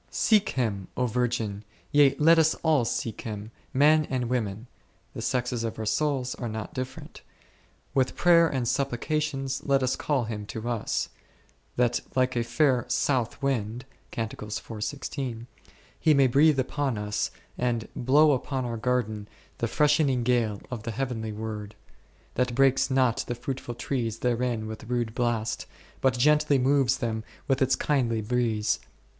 Seek Him, O virgin, yea let us all seek Him, men and women (the sexes of our souls are not different), with prayer and supplications let us call Him to us, that like a fair south wind 1 He may breathe upon us and blow upon our garden the freshening gale of the heavenly Word, that breaks not the fruitful trees therein with rude blast, but gently moves them with its kindly breeze.